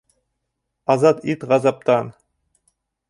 Азат ит ғазаптан!